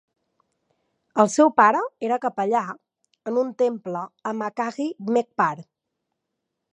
El seu pare era capellà en un temple a Makaji Meghpar.